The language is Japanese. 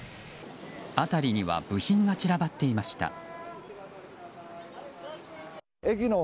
辺りには部品が散らばっていました。